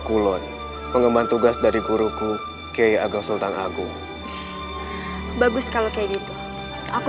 kulon pengembang tugas dari guruku kiai agung sultan agung bagus kalau kayak gitu aku